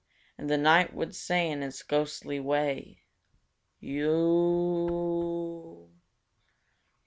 And the night would say in its ghostly way: "Yoooooooo!